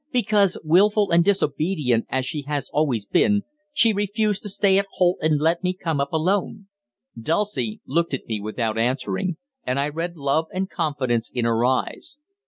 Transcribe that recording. "Because, wilful and disobedient as she has always been, she refused to stay at Holt and let me come up alone." Dulcie looked at me without answering, and I read love and confidence in her eyes.